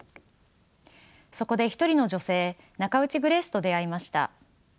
そこで一人の女性ナカウチ・グレースと出会いました。